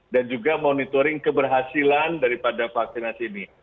dan juga monitoring keberhasilan daripada vaksinasi ini